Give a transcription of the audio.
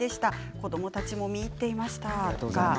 子どもたちも見入っていました。